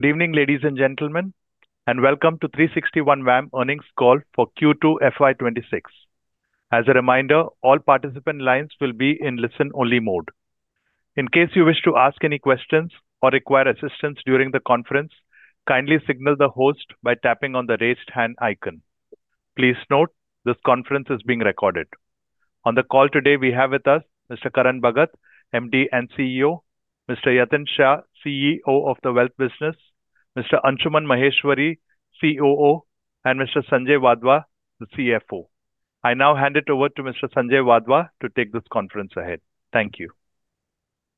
Good evening, ladies and gentlemen, and welcome to the 360 ONE WAM earnings call for Q2 FY 2026. As a reminder, all participant lines will be in listen-only mode. In case you wish to ask any questions or require assistance during the conference, kindly signal the host by tapping on the raised hand icon. Please note, this conference is being recorded. On the call today, we have with us Mr. Karan Bhagat, MD and CEO, Mr. Yatin Shah, CEO of the Wealth Business, Mr. Anshuman Maheshwary, COO, and Mr. Sanjay Wadhwa, CFO. I now hand it over to Mr. Sanjay Wadhwa to take this conference ahead. Thank you.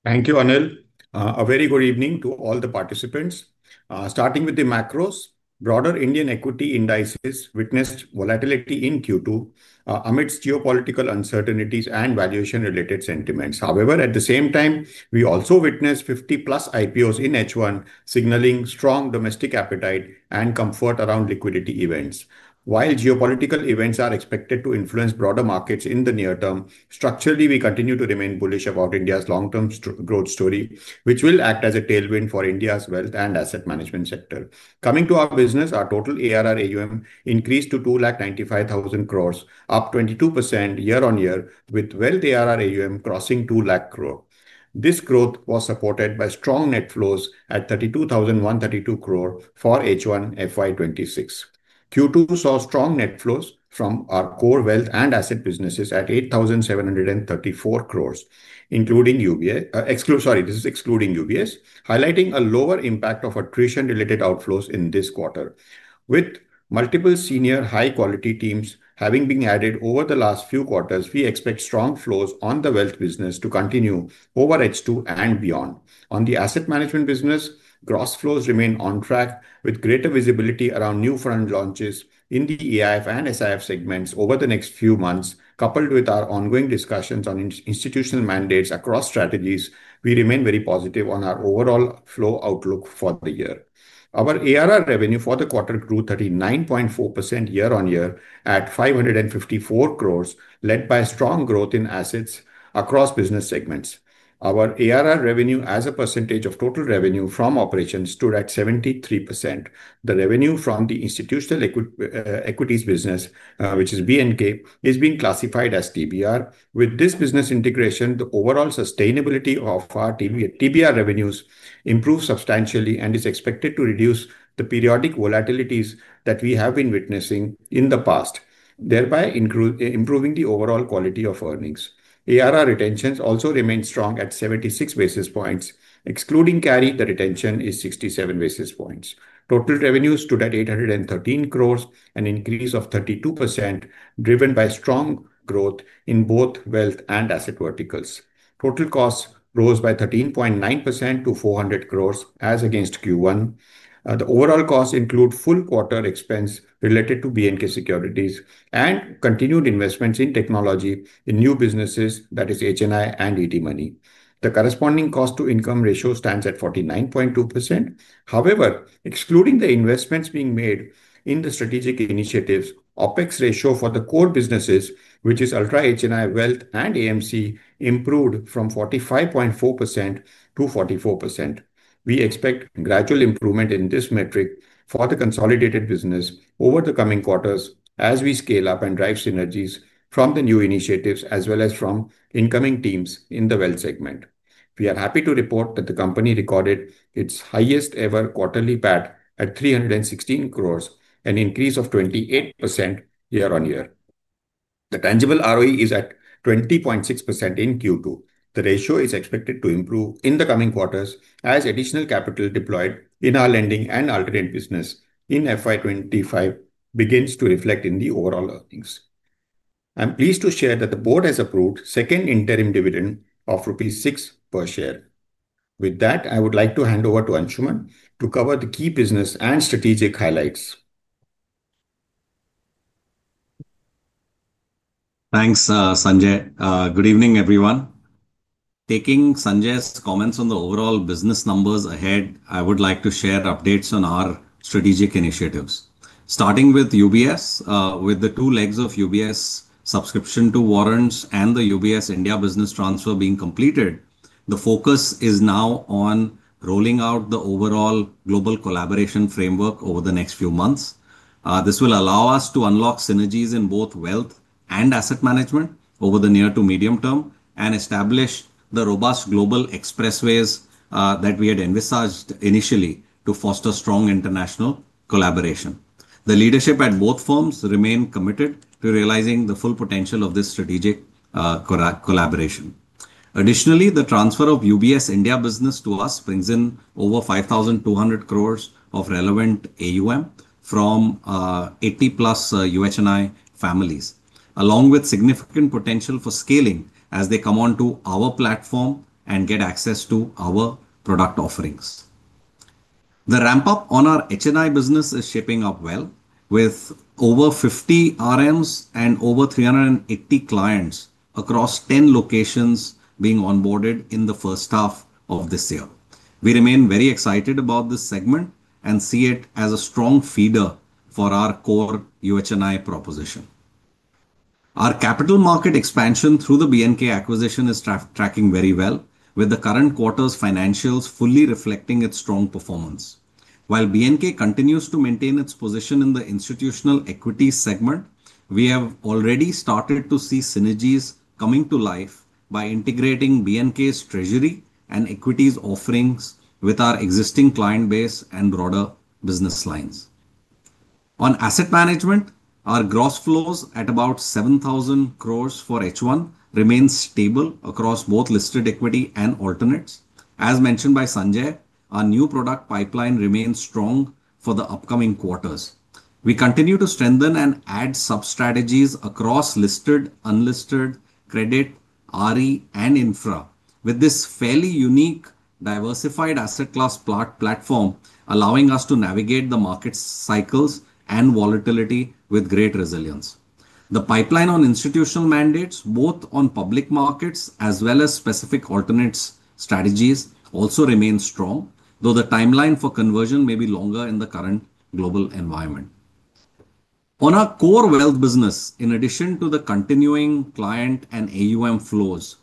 Thank you, Anil. A very good evening to all the participants. Starting with the macros, broader Indian equity indices witnessed volatility in Q2 amidst geopolitical uncertainties and valuation-related sentiments. However, at the same time, we also witnessed 50+ IPOs in H1, signaling strong domestic appetite and comfort around liquidity events. While geopolitical events are expected to influence broader markets in the near term, structurally, we continue to remain bullish about India's long-term growth story, which will act as a tailwind for India's wealth and asset management sector. Coming to our business, our total ARR AUM increased to 2,95,000 crore, up 22% year-on-year, with wealth ARR AUM crossing 2,00,000 crore. This growth was supported by strong net flows at 32,132 crore for H1 FY 2026. Q2 saw strong net flows from our core wealth and asset businesses at 8,734 crore, excluding UBS, highlighting a lower impact of attrition-related outflows in this quarter. With multiple senior high-quality teams having been added over the last few quarters, we expect strong flows on the wealth business to continue over H2 and beyond. On the asset management business, gross flows remain on track, with greater visibility around new fund launches in the AIF and SIF segments over the next few months. Coupled with our ongoing discussions on institutional mandates across strategies, we remain very positive on our overall flow outlook for the year. Our ARR revenue for the quarter grew 39.4% year-on-year at 554 crore, led by strong growth in assets across business segments. Our ARR revenue as a percentage of total revenue from operations stood at 73%. The revenue from the institutional equities business, which is B&K, is being classified as TBR. With this business integration, the overall sustainability of our TBR revenues improved substantially and is expected to reduce the periodic volatilities that we have been witnessing in the past, thereby improving the overall quality of earnings. ARR retentions also remain strong at 76 basis points. Excluding carry, the retention is 67 basis points. Total revenues stood at 813 crore, an increase of 32% driven by strong growth in both wealth and asset verticals. Total costs rose by 13.9% to 400 crore as against Q1. The overall costs include full quarter expense related to B&K Securities and continued investments in technology in new businesses, that is HNI and ET Money. The corresponding cost-to-income ratio stands at 49.2%. However, excluding the investments being made in the strategic initiatives, OPEX ratio for the core businesses, which is Ultra HNI Wealth and Asset Management, improved from 45.4% to 44%. We expect gradual improvement in this metric for the consolidated business over the coming quarters as we scale up and drive synergies from the new initiatives as well as from incoming teams in the wealth segment. We are happy to report that the company recorded its highest ever quarterly PAT at 316 crore, an increase of 28% year-on-year. The tangible ROE is at 20.6% in Q2. The ratio is expected to improve in the coming quarters as additional capital deployed in our lending and alternate business in FY 2025 begins to reflect in the overall earnings. I'm pleased to share that the board has approved a second interim dividend of 6 rupees per share. With that, I would like to hand over to Anshuman to cover the key business and strategic highlights. Thanks, Sanjay. Good evening, everyone. Taking Sanjay's comments on the overall business numbers ahead, I would like to share updates on our strategic initiatives. Starting with UBS, with the two legs of UBS, subscription to Warrants and the UBS India business transfer being completed, the focus is now on rolling out the overall global collaboration framework over the next few months. This will allow us to unlock synergies in both wealth and asset management over the near to medium term and establish the robust global expressways that we had envisaged initially to foster strong international collaboration. The leadership at both firms remains committed to realizing the full potential of this strategic collaboration. Additionally, the transfer of UBS India business to us brings in over 5,200 crore of relevant AUM from 80+ UHNI families, along with significant potential for scaling as they come onto our platform and get access to our product offerings. The ramp-up on our HNI business is shaping up well, with over 50 RMs and over 380 clients across 10 locations being onboarded in the first half of this year. We remain very excited about this segment and see it as a strong feeder for our core UHNI proposition. Our capital market expansion through the B&K acquisition is tracking very well, with the current quarter's financials fully reflecting its strong performance. While B&K continues to maintain its position in the institutional equities segment, we have already started to see synergies coming to life by integrating B&K's treasury and equities offerings with our existing client base and broader business lines. On asset management, our gross flows at about 7,000 crore for H1 remain stable across both listed equity and alternates. As mentioned by Sanjay, our new product pipeline remains strong for the upcoming quarters. We continue to strengthen and add sub-strategies across listed, unlisted, credit, RE, and infra, with this fairly unique diversified asset class platform allowing us to navigate the market cycles and volatility with great resilience. The pipeline on institutional mandates, both on public markets as well as specific alternates strategies, also remains strong, though the timeline for conversion may be longer in the current global environment. On our core wealth business, in addition to the continuing client and AUM flows,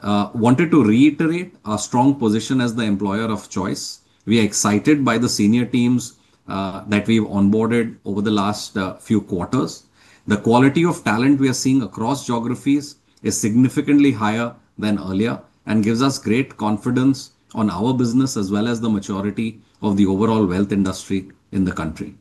I wanted to reiterate our strong position as the employer of choice. We are excited by the senior teams that we've onboarded over the last few quarters. The quality of talent we are seeing across geographies is significantly higher than earlier and gives us great confidence in our business as well as the maturity of the overall wealth industry in the country.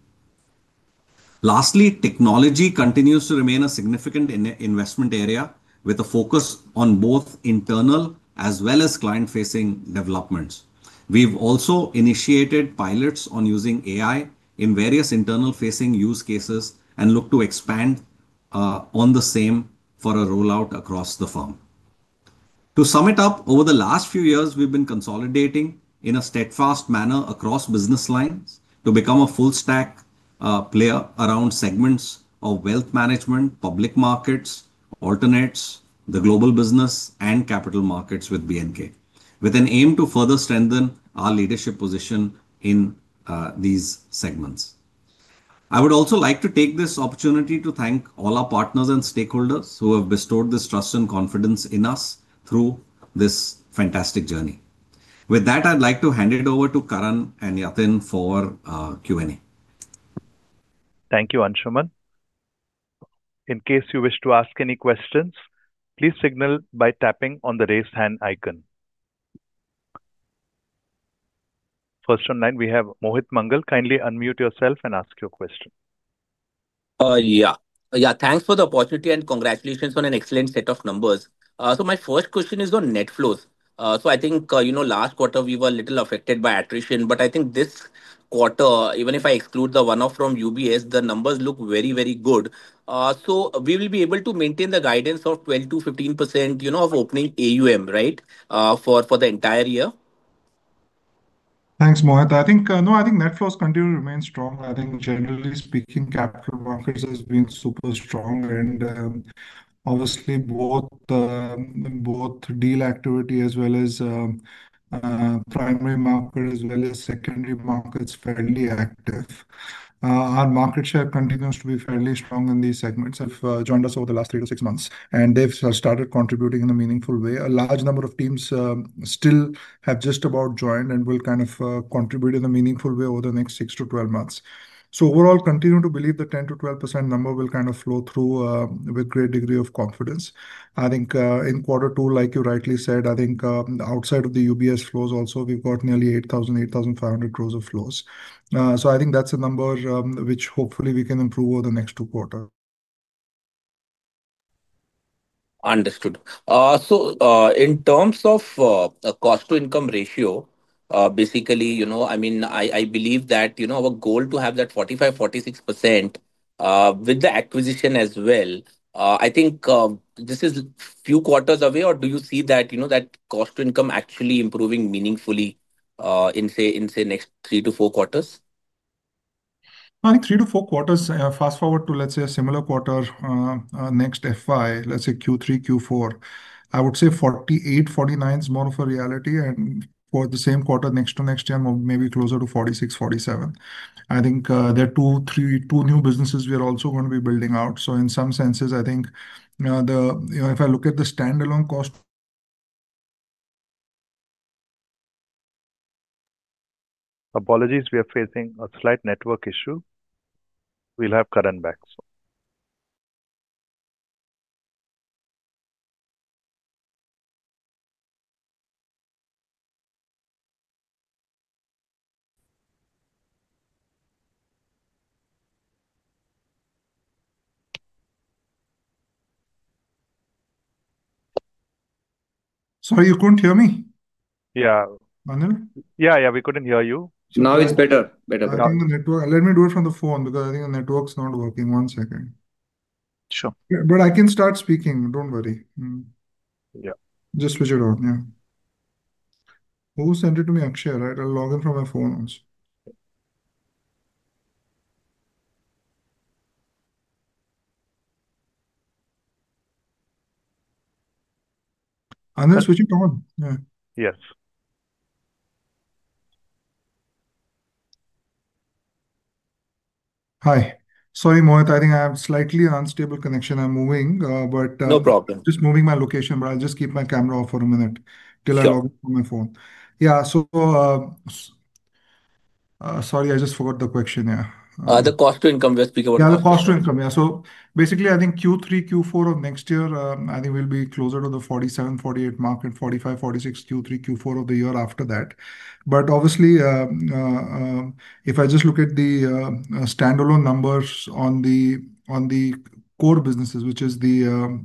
Lastly, technology continues to remain a significant investment area with a focus on both internal as well as client-facing developments. We've also initiated pilots on using AI in various internal-facing use cases and look to expand on the same for a rollout across the firm. To sum it up, over the last few years, we've been consolidating in a steadfast manner across business lines to become a full-stack player around segments of wealth management, public markets, alternates, the global business, and capital markets with B&K Group, with an aim to further strengthen our leadership position in these segments. I would also like to take this opportunity to thank all our partners and stakeholders who have bestowed this trust and confidence in us through this fantastic journey. With that, I'd like to hand it over to Karan and Yatin for Q&A. Thank you, Anshuman. In case you wish to ask any questions, please signal by tapping on the raised hand icon. First online, we have Mohit Mangal. Kindly unmute yourself and ask your question. Yeah, thanks for the opportunity and congratulations on an excellent set of numbers. My first question is on net flows. I think last quarter we were a little affected by attrition, but I think this quarter, even if I exclude the one-off from UBS India, the numbers look very, very good. Will we be able to maintain the guidance of 12%-15% of opening AUM for the entire year? Thanks, Mohit. I think net flows continue to remain strong. Generally speaking, capital markets have been super strong and obviously both deal activity as well as primary market as well as secondary markets are fairly active. Our market share continues to be fairly strong in these segments. They've joined us over the last three to six months and they've started contributing in a meaningful way. A large number of teams still have just about joined and will contribute in a meaningful way over the next six to twelve months. Overall, I continue to believe the 10%-12% number will flow through with a great degree of confidence. In quarter two, like you rightly said, outside of the UBS flows also, we've got nearly 8,000-8,500 crores of flows. That's a number which hopefully we can improve over the next two quarters. Understood. In terms of a cost-to-income ratio, I believe that our goal to have that 45%, 46% with the acquisition as well, I think this is a few quarters away. Do you see that cost-to-income actually improving meaningfully in, say, the next three to four quarters? I think three to four quarters, fast forward to, let's say, a similar quarter next FY, let's say Q3, Q4, I would say 48%, 49% is more of a reality, and for the same quarter next to next year, maybe closer to 46%, 47%. I think there are two, three, two new businesses we are also going to be building out. In some senses, I think, you know, if I look at the standalone cost. Apologies, we are facing a slight network issue. We'll have Karan back. Sorry, you couldn't hear me? Yeah. Anil? Yeah, yeah, we couldn't hear you. Now it's better. Yeah, on the network. Let me do it from the phone because I think the network is not working. One second. Sure. I can start speaking. Don't worry. Yeah. Just switch it on. Yeah. Who sent it to me? Akshay, right? I'll log in from my phone also. Anil, switch it on. Yeah. Yes. Hi. Sorry, Mohit. I think I have a slightly unstable connection. I'm moving. No problem. Just moving my location, but I'll keep my camera off for a minute till I log in from my phone. Sorry, I just forgot the question. The cost-to-income we are speaking about. Yeah, the cost-to-income. Yeah. Basically, I think Q3, Q4 of next year, I think we'll be closer to the 47%, 48% mark, 45%, 46% Q3, Q4 of the year after that. Obviously, if I just look at the standalone numbers on the core businesses, which is the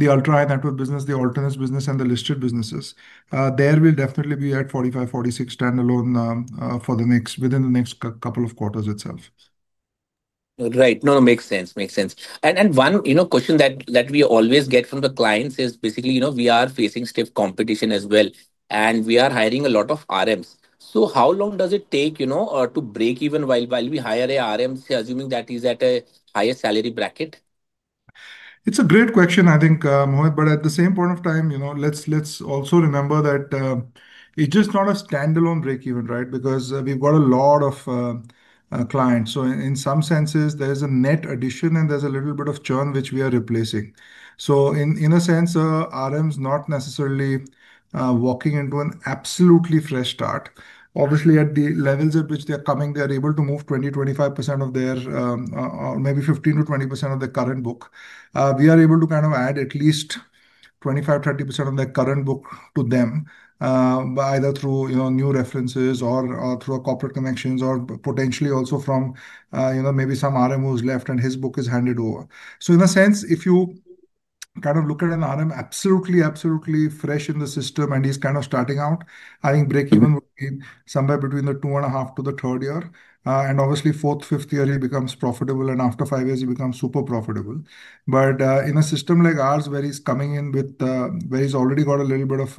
ultra-high-net-worth business, the alternate business, and the listed businesses, there we'll definitely be at 45%, 46% standalone within the next couple of quarters itself. Right. It makes sense. Makes sense. One question that we always get from the clients is basically, you know, we are facing stiff competition as well. We are hiring a lot of RMs. How long does it take to break even while we hire an RM, assuming that he's at a higher salary bracket? It's a great question, I think, Mohit, but at the same point of time, let's also remember that it's just not a standalone break-even, right? Because we've got a lot of clients. In some senses, there's a net addition and there's a little bit of churn which we are replacing. In a sense, RMs are not necessarily walking into an absolutely fresh start. Obviously, at the levels at which they're coming, they're able to move 20%, 25% of their, or maybe 15% to 20% of their current book. We are able to kind of add at least 25%, 30% of their current book to them either through new references or through our corporate connections or potentially also from maybe some RM who's left and his book is handed over. In a sense, if you kind of look at an RM absolutely, absolutely fresh in the system and he's kind of starting out, I think break-even would be somewhere between the two and a half to the third year. Obviously, fourth, fifth year he becomes profitable and after five years he becomes super profitable. In a system like ours where he's coming in with, where he's already got a little bit of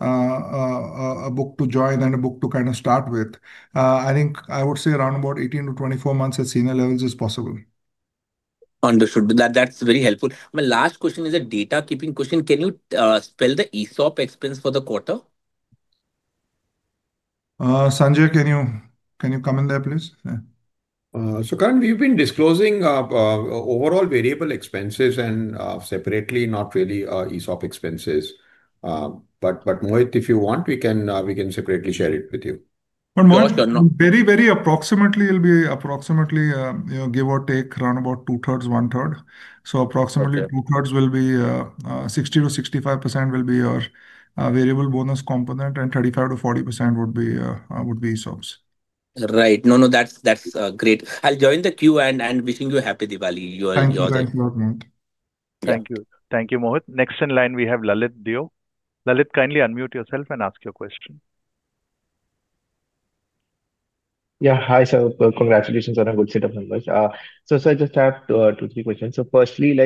a book to join and a book to kind of start with, I think I would say around about 18 to 24 months at senior levels is possible. Understood. That's very helpful. My last question is a data keeping question. Can you spell the ESOP expense for the quarter? Sanjay, can you come in there, please? Currently, we've been disclosing overall variable expenses and separately, not really ESOP expenses. If you want, Mohit, we can separately share it with you. Mohit, very, very approximately, it'll be approximately, you know, give or take around about 2/3, 1/3. Approximately 2/3 will be 60%-65% will be your variable bonus component and 35%-40% would be ESOPs. Right. No, that's great. I'll join the queue and wishing you a happy Diwali. Thank you, Anil. Thank you. Thank you, Mohit. Next in line, we have Lalit Dhiyo. Lalit, kindly unmute yourself and ask your question. Yeah, hi, sir. Congratulations on a good set of numbers. I just have two, three questions. Firstly, in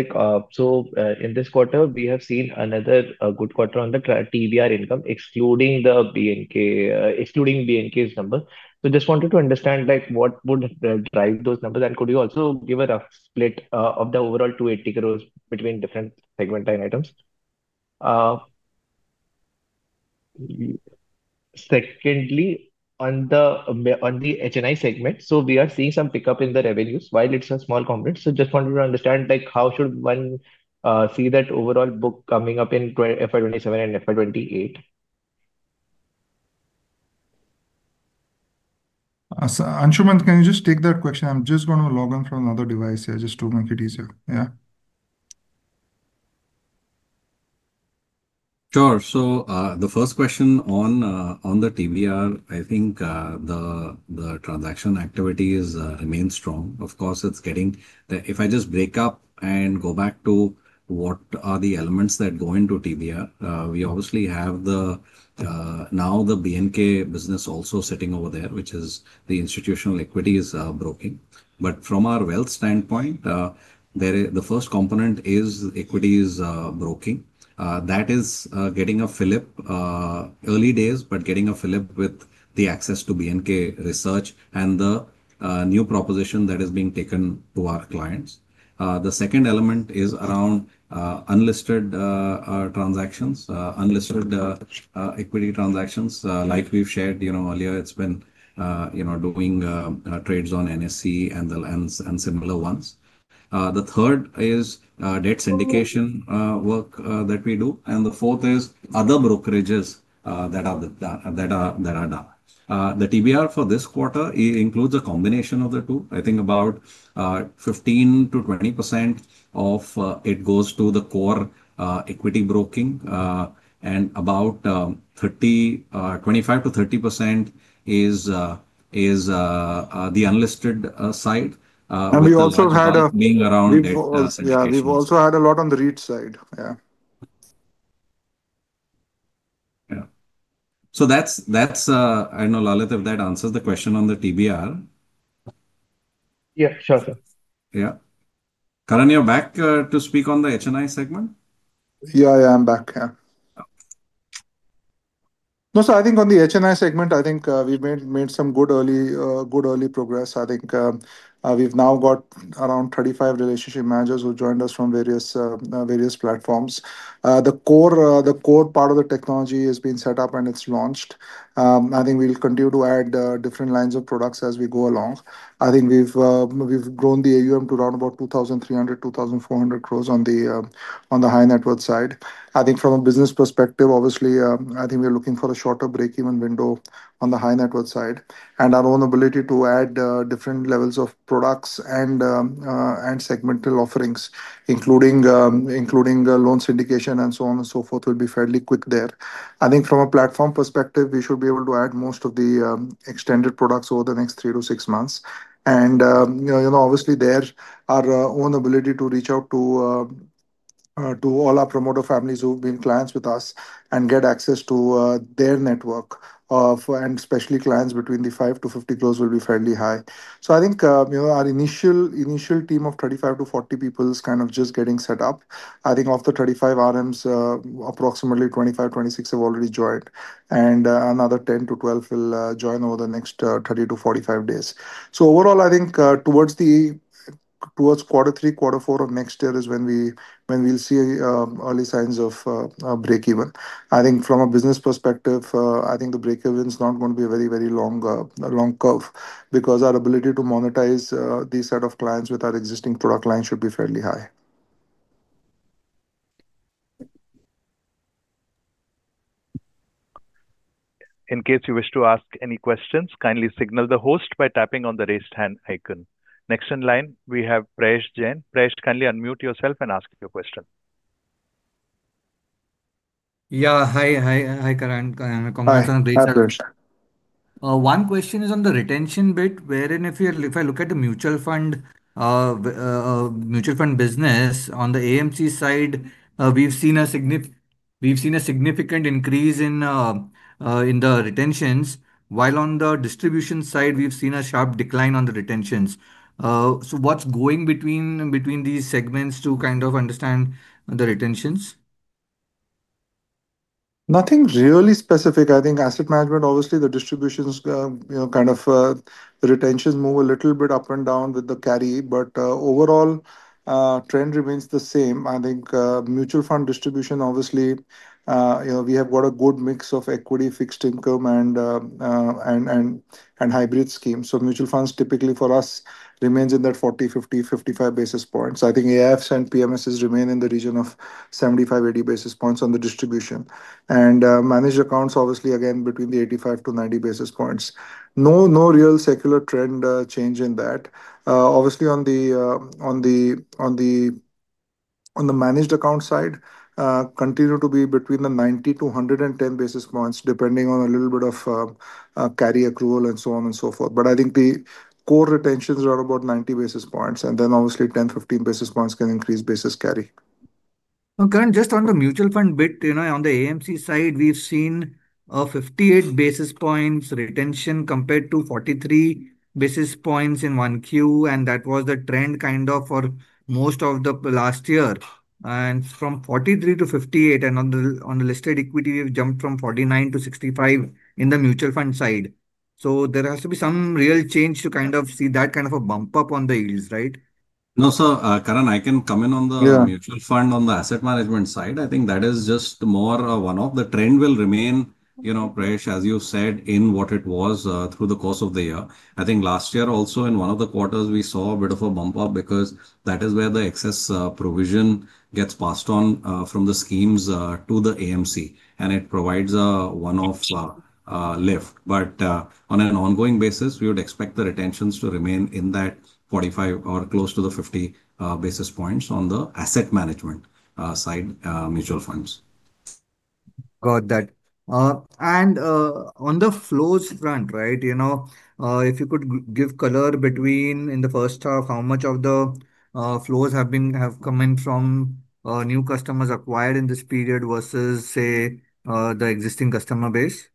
this quarter, we have seen another good quarter on the TBR income, excluding B&K's number. I just wanted to understand what would drive those numbers, and could you also give a rough split of the overall 280 crore between different segment line items? Secondly, on the HNI segment, we are seeing some pickup in the revenues while it's a small component. I just wanted to understand how should one see that overall book coming up in FY 2027 and FY 2028? Anshuman, can you just take that question? I'm going to log on from another device here to make it easier. Yeah. Sure. The first question on the TBR, I think the transaction activities remain strong. Of course, if I just break up and go back to what are the elements that go into TBR, we obviously have now the B&K business also sitting over there, which is the institutional equities broking. From our wealth standpoint, the first component is equities broking. That is getting a fill-up, early days, but getting a fill-up with the access to B&K research and the new proposition that is being taken to our clients. The second element is around unlisted transactions, unlisted equity transactions. Like we've shared earlier, it's been doing trades on NSE and similar ones. The third is debt syndication work that we do. The fourth is other brokerages that are done. The TBR for this quarter includes a combination of the two. I think about 15%-20% of it goes to the core equity broking and about 25%-30% is the unlisted side. We also had a lot on the REIT side. Yeah, that's, I don't know, Lalit, if that answers the question on the TBR. Yeah, sure, sir. Yeah, Karan, you're back to speak on the HNI segment? Yeah, yeah, I'm back. No, I think on the HNI segment, we've made some good early progress. We've now got around 35 relationship managers who've joined us from various platforms. The core part of the technology is being set up and it's launched. We'll continue to add different lines of products as we go along. We've grown the AUM to around 2,300-2,400 crore on the high-net-worth side. From a business perspective, we're looking for a shorter break-even window on the high-net-worth side. Our own ability to add different levels of products and segmental offerings, including loan syndication and so on and so forth, will be fairly quick there. From a platform perspective, we should be able to add most of the extended products over the next three to six months. There's our own ability to reach out to all our promoter families who've been clients with us and get access to their network. Especially clients between [25 crore-50 crore] will be fairly high. Our initial team of 35 to 40 people is kind of just getting set up. Of the 35 RMs, approximately 25 or 26 have already joined, and another 10 to 12 will join over the next 30 to 45 days. Overall, towards quarter three, quarter four of next year is when we'll see early signs of break-even. From a business perspective, the break-even is not going to be a very, very long curve because our ability to monetize these set of clients with our existing product lines should be fairly high. In case you wish to ask any questions, kindly signal the host by tapping on the raised hand icon. Next in line, we have Prayesh Jain. Prayesh, kindly unmute yourself and ask your question. Hi, Karan. One question is on the retention bit, wherein if I look at the mutual fund, mutual fund business on the AMC side, we've seen a significant increase in the retentions, while on the distribution side, we've seen a sharp decline on the retentions. What's going between these segments to kind of understand the retentions? Nothing really specific. I think asset management, obviously, the distributions, you know, kind of the retentions move a little bit up and down with the carry, but overall, trend remains the same. I think mutual fund distribution, obviously, you know, we have got a good mix of equity, fixed income, and hybrid schemes. Mutual funds typically for us remain in that 40, 50, 55 basis points. I think AIFs and PMSs remain in the region of 75, 80 basis points on the distribution. Managed accounts, obviously, again, between the 85 basis points-90 basis points. No real secular trend change in that. Obviously, on the managed account side, continue to be between the 90 basis points-110 basis points, depending on a little bit of carry accrual and so on and so forth. I think the core retentions are about 90 basis points. Then, obviously, 10, 15 basis points can increase basis carry. Okay, just on the mutual fund bit, you know, on the AMC side, we've seen a 58 basis points retention compared to 43 basis points in 1Q. That was the trend for most of the last year. From 43 to 58, and on the listed equity, we've jumped from 49 to 65 on the mutual fund side. There has to be some real change to see that kind of a bump up on the yields, right? No, Karan, I can come in on the mutual fund on the asset management side. I think that is just more one of the trends will remain, you know, Prayesh, as you said, in what it was through the course of the year. I think last year also in one of the quarters, we saw a bit of a bump up because that is where the excess provision gets passed on from the schemes to the AMC. It provides a one-off lift. On an ongoing basis, we would expect the retentions to remain in that 45 basis points or close to the 50 basis points on the asset management side, mutual funds. Got that. On the flows front, if you could give color between in the first half, how much of the flows have been coming from new customers acquired in this period versus, say, the existing customer base?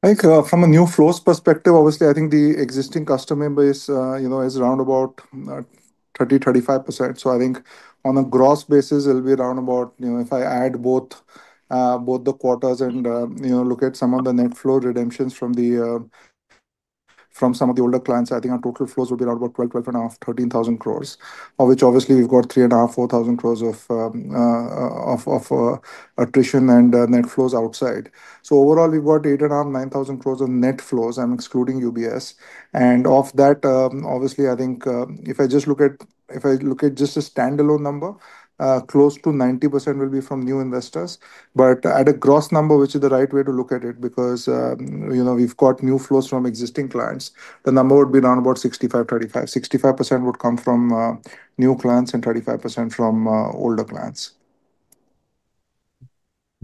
I think from a new flows perspective, obviously, I think the existing customer base is around about 30%-35%. I think on a gross basis, it'll be around about, you know, if I add both the quarters and look at some of the net flow redemptions from some of the older clients, I think our total flows will be around about 12,000, INR 12,500, 13,000 crores, of which obviously we've got 3,500, 4,000 crores of attrition and net flows outside. Overall, we've got 8,500, 9,000 crores of net flows. I'm excluding UBS. Off that, obviously, I think if I just look at, if I look at just a standalone number, close to 90% will be from new investors. At a gross number, which is the right way to look at it, because we've got new flows from existing clients, the number would be around about 65%-35%. 65% would come from new clients and 35% from older clients.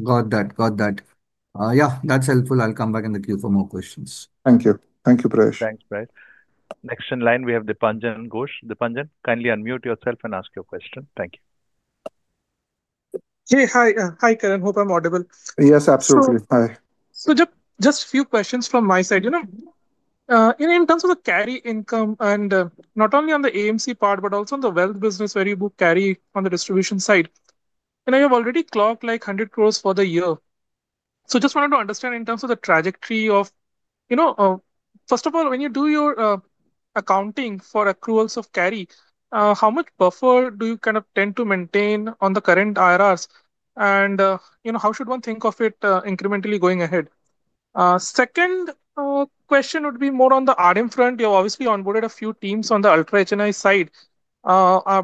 Got that. Yeah, that's helpful. I'll come back in the queue for more questions. Thank you. Thank you, Prayesh. Thanks, Prayesh. Next in line, we have Dipanjan Ghosh. Dipanjan, kindly unmute yourself and ask your question. Thank you. Hi, Karan. Hope I'm audible. Yes, absolutely. Hi. Just a few questions from my side. In terms of the carry income, and not only on the AMC part, but also on the wealth business where you book carry on the distribution side, you've already clocked 100 crore for the year. I just wanted to understand in terms of the trajectory of, first of all, when you do your accounting for accruals of carry, how much buffer do you kind of tend to maintain on the current IRRs? How should one think of it incrementally going ahead? Second question would be more on the RM front. You've obviously onboarded a few teams on the ultra-HNI side. I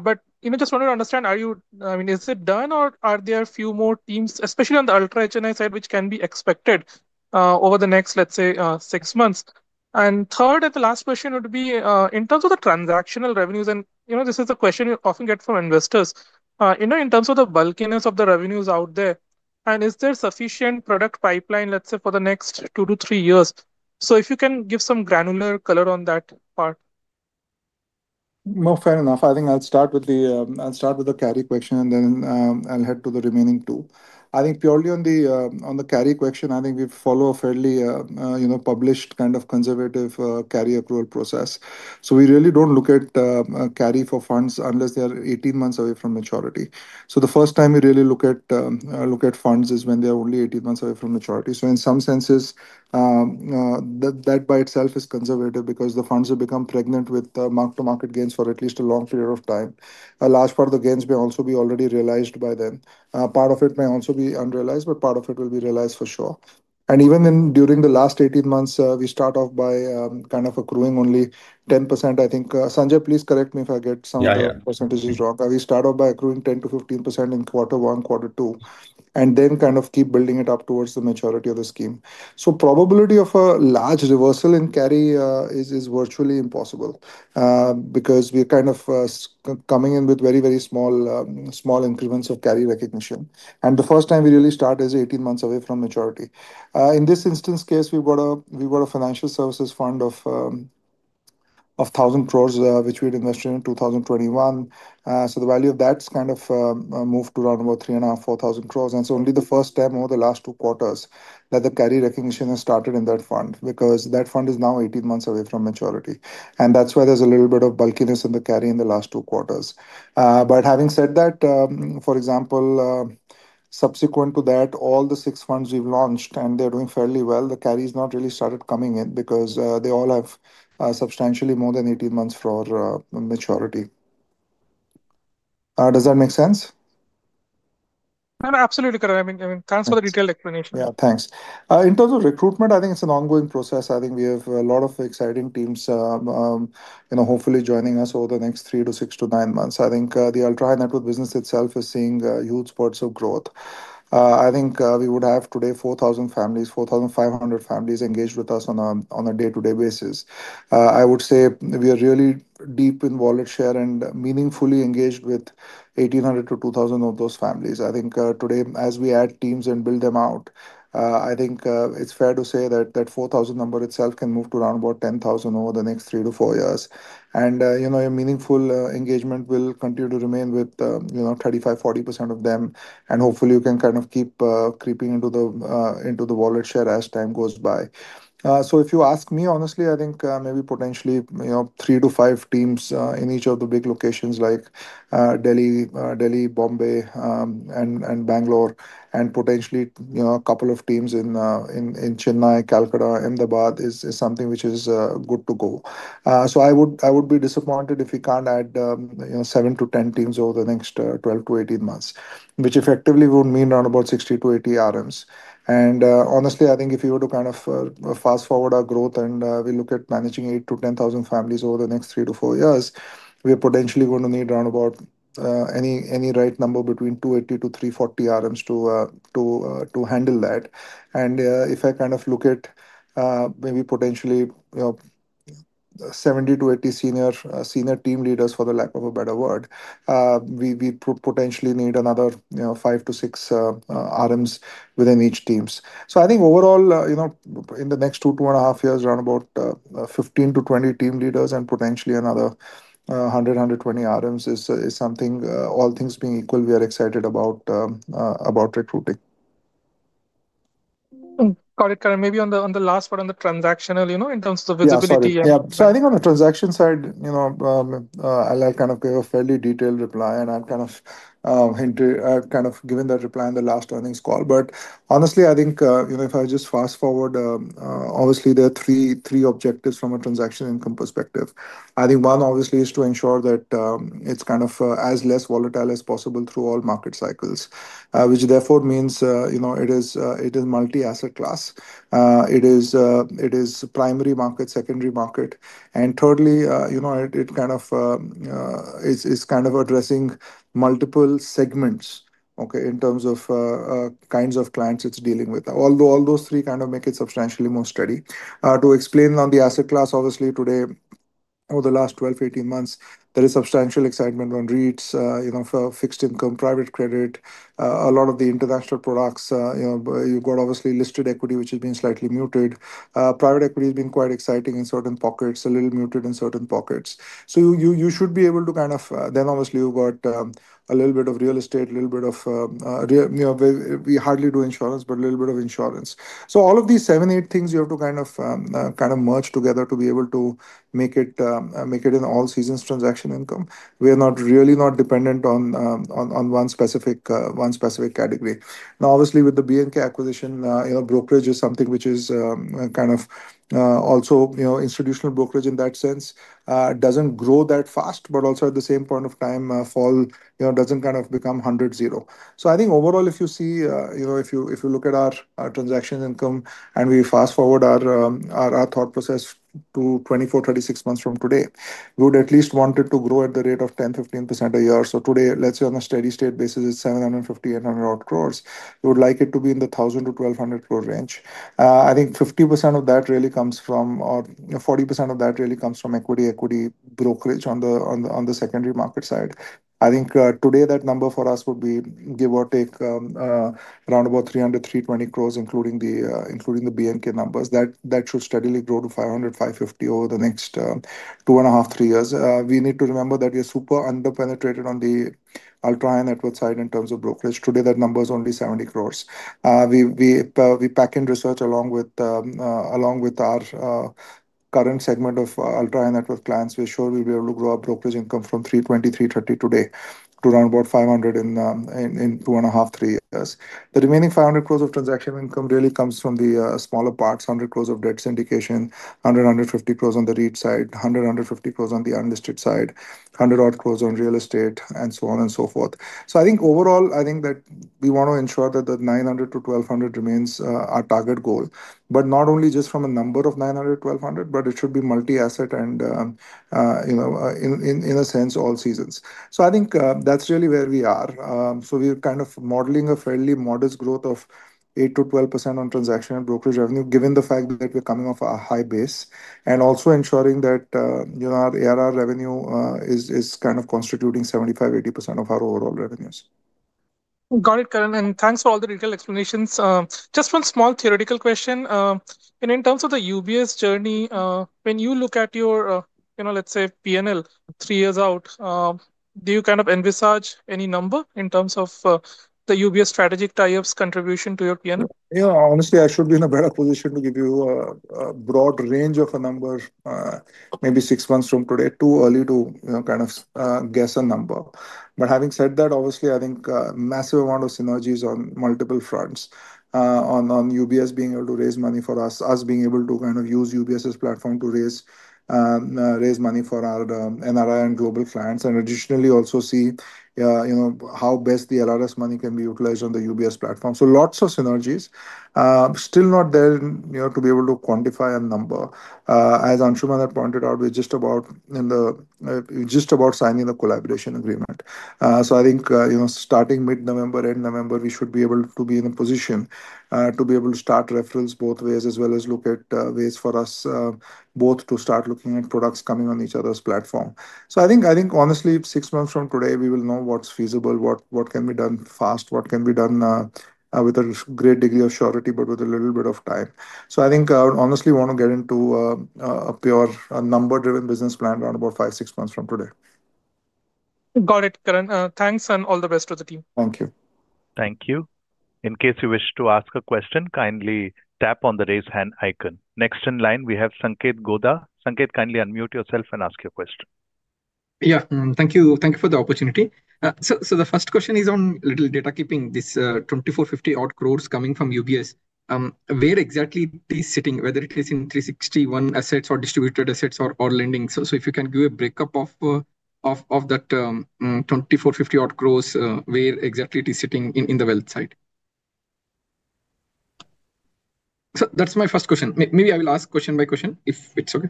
just wanted to understand, are you, I mean, is it done or are there a few more teams, especially on the ultra-HNI side, which can be expected over the next, let's say, six months? Third, and the last question would be in terms of the transactional revenues. This is the question you often get from investors. In terms of the bulkiness of the revenues out there, is there sufficient product pipeline, let's say, for the next two to three years? If you can give some granular color on that part. No, fair enough. I think I'll start with the carry question and then I'll head to the remaining two. I think purely on the carry question, I think we follow a fairly, you know, published kind of conservative carry accrual process. We really don't look at carry for funds unless they are 18 months away from maturity. The first time we really look at funds is when they are only 18 months away from maturity. In some senses, that by itself is conservative because the funds have become pregnant with the mark-to-market gains for at least a long period of time. A large part of the gains may also be already realized by then. Part of it may also be unrealized, but part of it will be realized for sure. Even during the last 18 months, we start off by kind of accruing only 10%. I think, Sanjay, please correct me if I get some of the percentages wrong. We start off by accruing 10%-15% in quarter one, quarter two, and then kind of keep building it up towards the maturity of the scheme. Probability of a large reversal in carry is virtually impossible because we're kind of coming in with very, very small increments of carry recognition. The first time we really start is 18 months away from maturity. In this instance case, we've got a financial services fund of 1,000 crore, which we'd invested in 2021. The value of that's kind of moved to around about 3,500, 4,000 crore. It's only the first time over the last two quarters that the carry recognition has started in that fund because that fund is now 18 months away from maturity. That's why there's a little bit of bulkiness in the carry in the last two quarters. Having said that, for example, subsequent to that, all the six funds we've launched and they're doing fairly well, the carry has not really started coming in because they all have substantially more than 18 months for maturity. Does that make sense? Absolutely, Karan. I mean, thanks for the detailed explanation. Yeah, thanks. In terms of recruitment, I think it's an ongoing process. I think we have a lot of exciting teams, hopefully joining us over the next three to six to nine months. I think the ultra-high-net-worth business itself is seeing huge spurts of growth. I think we would have today 4,000 families, 4,500 families engaged with us on a day-to-day basis. I would say we are really deep in wallet share and meaningfully engaged with 1,800 to 2,000 of those families. Today, as we add teams and build them out, I think it's fair to say that that 4,000 number itself can move to around 10,000 over the next three to four years. Your meaningful engagement will continue to remain with 35%-40% of them. Hopefully, you can kind of keep creeping into the wallet share as time goes by. If you ask me, honestly, I think maybe potentially three to five teams in each of the big locations like Delhi, Bombay, and Bangalore, and potentially a couple of teams in Chennai, Calcutta, and Ahmedabad is something which is good to go. I would be disappointed if we can't add seven to ten teams over the next 12 to 18 months, which effectively would mean around 60 RMs-80 RMs. Honestly, I think if you were to kind of fast forward our growth and we look at managing 8,000 to 10,000 families over the next three to four years, we're potentially going to need around any right number between 280 RMs-340 RMs to handle that. If I kind of look at maybe potentially 70 to 80 senior team leaders, for the lack of a better word, we potentially need another five to six RMs within each team. Overall, in the next two to two and a half years, around 15 to 20 team leaders and potentially another 100 RMs-120 RMs is something, all things being equal, we are excited about recruiting. Got it, Karan. Maybe on the last part, on the transactional, in terms of the visibility. Yeah, yeah. I think on the transaction side, I'll give a fairly detailed reply and I've given that reply in the last earnings call. Honestly, I think if I just fast forward, obviously, there are three objectives from a transaction income perspective. One obviously is to ensure that it's as less volatile as possible through all market cycles, which therefore means it is multi-asset class. It is primary market, secondary market. Thirdly, it is addressing multiple segments in terms of kinds of clients it's dealing with. All those three make it substantially more steady. To explain on the asset class, obviously, today, over the last 12 to 18 months, there is substantial excitement on REITs, for fixed income, private credit, a lot of the international products. You've got obviously listed equity, which has been slightly muted. Private equity has been quite exciting in certain pockets, a little muted in certain pockets. You should be able to, then you've got a little bit of real estate, a little bit of, we hardly do insurance, but a little bit of insurance. All of these seven, eight things you have to merge together to be able to make it in all seasons transaction income. We are not really dependent on one specific category. Now, obviously, with the B&K acquisition, brokerage is something which is also, institutional brokerage in that sense doesn't grow that fast, but also at the same point of time, fall, doesn't become 100, 0. I think overall, if you see, if you look at our transaction income and we fast forward our thought process to 24, 36 months from today, we would at least want it to grow at the rate of 10%, 15% a year. Today, let's say on a steady state basis, it's 750, 800 crores. We would like it to be in the 1,000-1,200 crore range. I think 50% of that really comes from, or 40% of that really comes from equity, equity brokerage on the secondary market side. I think today that number for us would be, give or take, around about 300, 320 crores, including the B&K numbers. That should steadily grow to 500, 550 over the next two and a half, three years. We need to remember that we are super underpenetrated on the ultra-high-net-worth side in terms of brokerage. Today, that number is only 70 crore. We pack in research along with our current segment of ultra-high-net-worth clients. We're sure we'll be able to grow our brokerage income from 320, 330 crore today to around about 500 crore in two and a half, three years. The remaining 500 crore of transaction income really comes from the smaller parts, 100 crore of debt syndication, 100, 150 crore on the REIT side, 100, 150 crore on the unlisted side, 100-odd crore on real estate, and so on and so forth. I think overall, we want to ensure that the 900 to 1,200 crore remains our target goal. Not only just from a number of 900, 1,200 crore, but it should be multi-asset and, you know, in a sense, all seasons. I think that's really where we are. We're kind of modeling a fairly modest growth of 8%-12% on transaction and brokerage revenue, given the fact that we're coming off a high base, and also ensuring that, you know, our ARR revenue is kind of constituting 75%, 80% of our overall revenues. Got it, Karan. Thanks for all the detailed explanations. Just one small theoretical question. In terms of the UBS journey, when you look at your, you know, let's say P&L three years out, do you kind of envisage any number in terms of the UBS strategic tie-ups contribution to your P&L? Yeah, honestly, I should be in a better position to give you a broad range of a number, maybe six months from today. Too early to kind of guess a number. Having said that, obviously, I think a massive amount of synergies on multiple fronts on UBS being able to raise money for us, us being able to kind of use UBS's platform to raise money for our NRI and global clients, and additionally also see how best the LRS money can be utilized on the UBS platform. Lots of synergies, still not there to be able to quantify a number. As Anshuman had pointed out, we're just about signing the collaboration agreement. I think starting mid-November, end November, we should be able to be in a position to start referrals both ways, as well as look at ways for us both to start looking at products coming on each other's platform. I think, honestly, six months from today, we will know what's feasible, what can be done fast, what can be done with a great degree of surety, but with a little bit of time. I want to get into a pure number-driven business plan around about five, six months from today. Got it, Karan. Thanks and all the best to the team. Thank you. Thank you. In case you wish to ask a question, kindly tap on the raised hand icon. Next in line, we have Sanketh Godha. Sanketh, kindly unmute yourself and ask your question. Thank you. Thank you for the opportunity. The first question is on a little data keeping. This 2,450-odd crores coming from UBS, where exactly is this sitting, whether it is in 360 ONE Assets or Distributed Assets or Lending? If you can give a breakup of that 2,450-odd crores, where exactly it is sitting in the wealth side? That's my first question. Maybe I will ask question by question if it's okay.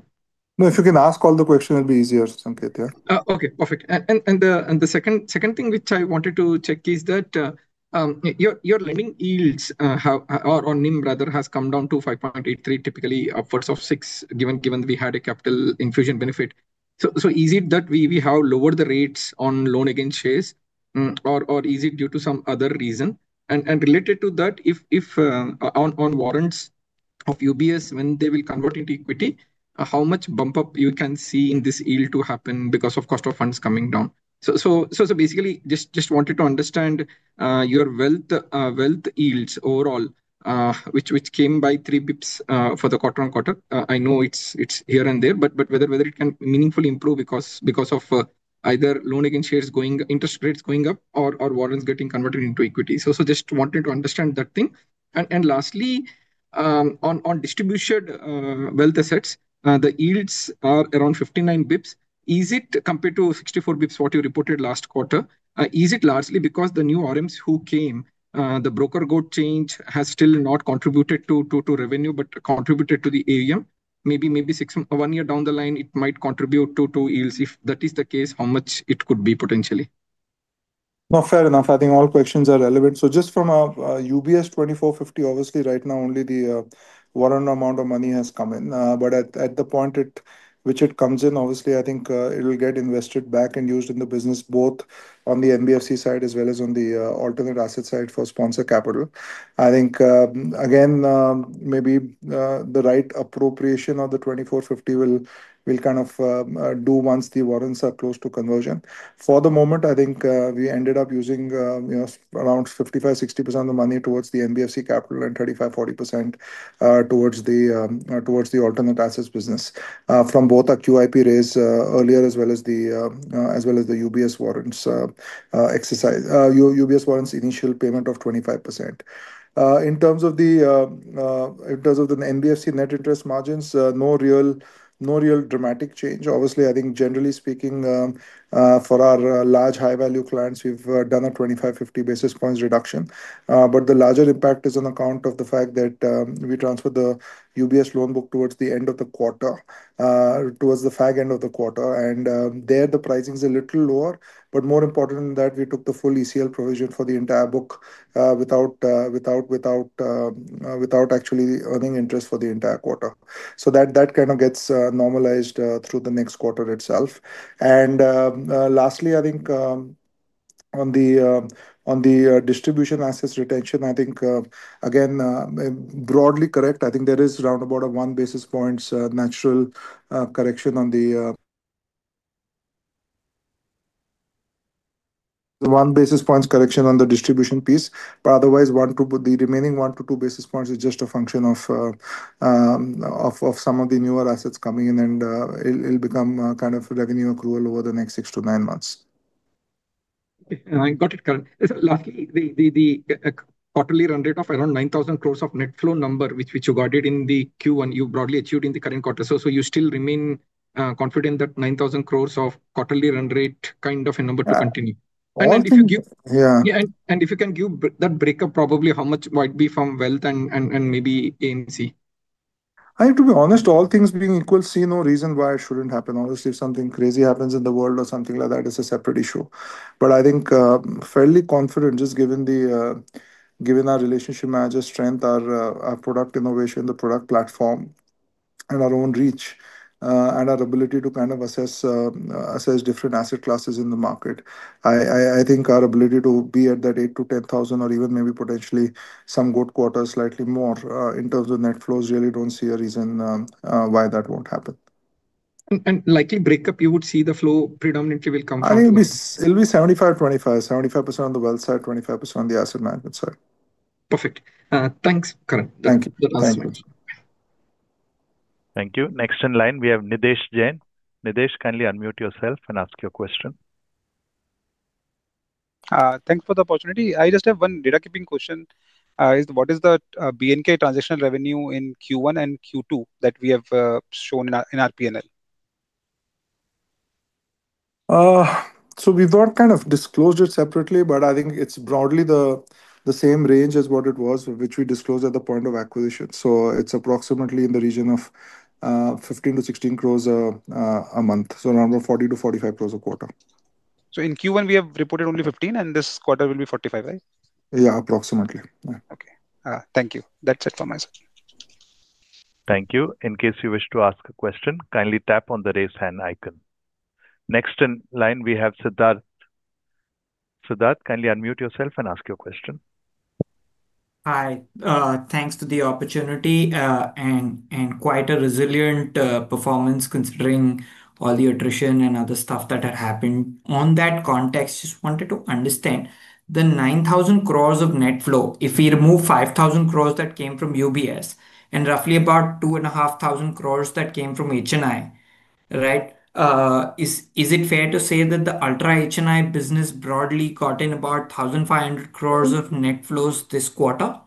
No, if you can ask all the questions, it'll be easier, Sanketh. Yeah. Okay, perfect. The second thing which I wanted to check is that your lending yields or NIM, rather, has come down to 5.83, typically upwards of 6, given that we had a capital infusion benefit. Is it that we have lowered the rates on loan against shares or is it due to some other reason? Related to that, if on warrants of UBS, when they will convert into equity, how much bump up can you see in this yield to happen because of cost of funds coming down? Basically, just wanted to understand your wealth yields overall, which came by 3 bps for the quarter on quarter. I know it's here and there, but whether it can meaningfully improve because of either loan against shares going, interest rates going up, or warrants getting converted into equity. Just wanted to understand that. Lastly, on distributed wealth assets, the yields are around 59 bps. Is it compared to 64 bps what you reported last quarter? Is it largely because the new RMs who came, the broker growth change, has still not contributed to revenue, but contributed to the AUM? Maybe one year down the line, it might contribute to yields. If that is the case, how much it could be potentially? No, fair enough. I think all questions are relevant. So just from a UBS 2,450 million, obviously, right now, only the warrant amount of money has come in. At the point which it comes in, obviously, I think it'll get invested back and used in the business, both on the NBFC side as well as on the alternate asset side for sponsor capital. I think, again, maybe the right appropriation of the 2,450 million will kind of do once the warrants are close to conversion. For the moment, I think we ended up using around 55%-60% of the money towards the NBFC capital and 35%-40% towards the alternate assets business from both a QIP raise earlier, as well as the UBS warrants exercise, UBS warrants initial payment of 25%. In terms of the NBFC net interest margins, no real dramatic change. Obviously, I think generally speaking, for our large high-value clients, we've done a 25-50 basis points reduction. The larger impact is on account of the fact that we transferred the UBS loan book towards the end of the quarter, towards the fag end of the quarter. There, the pricing is a little lower. More important than that, we took the full ECL provision for the entire book without actually earning interest for the entire quarter. That kind of gets normalized through the next quarter itself. Lastly, I think on the distribution assets retention, I think, again, broadly correct. There is around about a one basis point natural correction on the distribution piece. Otherwise, the remaining one to two basis points is just a function of some of the newer assets coming in, and it'll become kind of revenue accrual over the next six to nine months. I got it, Karan. Lastly, the quarterly run rate of around 9,000 crore of net flow number, which you guided in the queue and you broadly achieved in the current quarter. You still remain confident that 9,000 crore of quarterly run rate kind of number to continue. Yeah. If you can give that breakup, probably how much might be from wealth and maybe AMC? I have to be honest, all things being equal, see no reason why it shouldn't happen. Obviously, if something crazy happens in the world or something like that, it's a separate issue. I think fairly confident, just given our Relationship Manager's strength, our product innovation, the product platform, and our own reach, and our ability to kind of assess different asset classes in the market. I think our ability to be at that 8,000 to 10,000 or even maybe potentially some good quarters, slightly more in terms of net flows, really don't see a reason why that won't happen. Likely breakup, you would see the flow predominantly will come from? I think it'll be 75% 25%, 75% on the wealth side, 25% on the asset management side. Perfect. Thanks, Karan. Thank you. Thank you. Thank you. Next in line, we have Nidhesh Jain. Nidesh, kindly unmute yourself and ask your question. Thanks for the opportunity. I just have one data keeping question. What is the B&K transactional revenue in Q1 and Q2 that we have shown in our P&L? We've not kind of disclosed it separately, but I think it's broadly the same range as what it was, which we disclosed at the point of acquisition. It's approximately in the region of 15-16 crore a month, around 40-45 crore a quarter. In Q1, we have reported only 15, and this quarter will be 45, right? Yeah, approximately. Okay, thank you. That's it for my section. Thank you. In case you wish to ask a question, kindly tap on the raised hand icon. Next in line, we have Siddharth. Siddharth, kindly unmute yourself and ask your question. Hi. Thanks for the opportunity and quite a resilient performance considering all the attrition and other stuff that had happened. In that context, I just wanted to understand the 9,000 crore of net flow. If we remove 5,000 crore that came from UBS and roughly about 2,500 crore that came from HNI, right, is it fair to say that the ultra-HNI business broadly got in about 1,500 crore of net flows this quarter?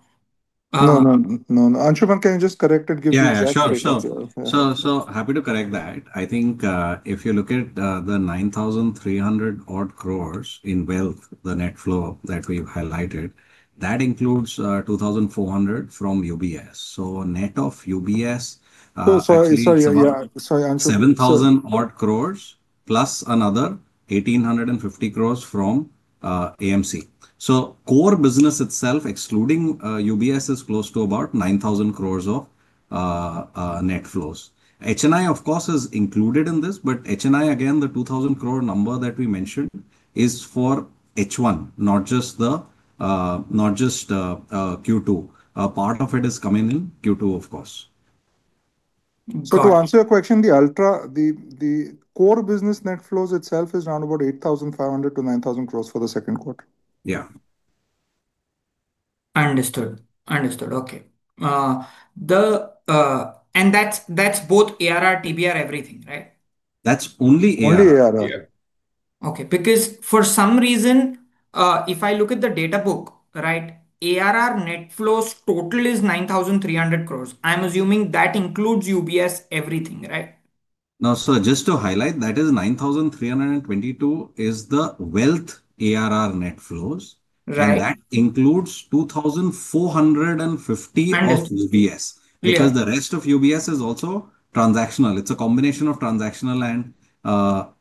No, no. Anshuman, can you just correct it? Yeah, sure. Happy to correct that. I think if you look at the 9,300-odd crores in wealth, the net flow that we've highlighted includes 2,400 from UBS. A net of UBS. Sorry, yeah, sorry. 7,000-odd crores plus another 1,850 crores from AMC. Core business itself, excluding UBS India, is close to about 9,000 crores of net flows. HNI, of course, is included in this, but HNI, again, the 2,000-crore number that we mentioned is for H1, not just Q2. Part of it is coming in Q2, of course. To answer your question, the core business net flows itself is around 8,500 to 9,000 crore for the second quarter. Yeah. Understood. Okay. That's both ARR, TBR, everything, right? That's only ARR. Only ARR. Okay, because for some reason, if I look at the data book, right, ARR net flows total is 9,300 crore. I'm assuming that includes UBS everything, right? No, just to highlight, that is 9,322 million is the wealth ARR net flows. Right. That includes 2,450 of UBS India. Right. Because the rest of UBS India is also transactional. It's a combination of transactional and